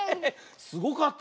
すごかったね。